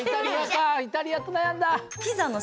イタリアと悩んだ。